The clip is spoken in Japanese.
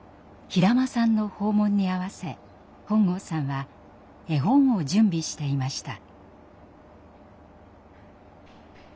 平間さんの訪問に合わせ本郷さんは絵本を準備していました。